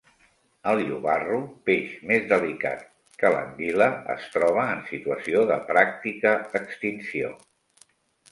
El llobarro, peix més delicat que l'anguila, es troba en situació de pràctica extinció.